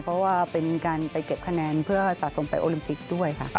เพราะว่าเป็นการไปเก็บคะแนนเพื่อสะสมไปโอลิมปิกด้วยค่ะ